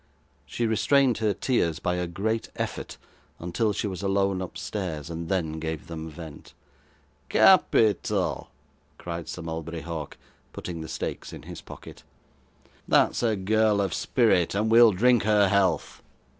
She restrained her tears by a great effort until she was alone upstairs, and then gave them vent. 'Capital!' said Sir Mulberry Hawk, putting the stakes in his pocket. 'That's a girl of spirit, and we'll drink her health.